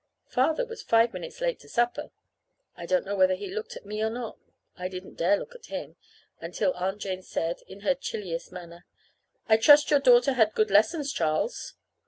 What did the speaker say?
Father was five minutes late to supper. I don't know whether he looked at me or not. I didn't dare to look at him until Aunt Jane said, in her chilliest manner: "I trust your daughter had good lessons, Charles."